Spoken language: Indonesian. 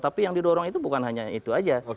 tapi yang didorong itu bukan hanya itu saja